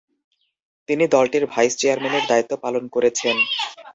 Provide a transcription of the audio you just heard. তিনি দলটির ভাইস-চেয়ারম্যানের দায়িত্ব পালন করেছেন।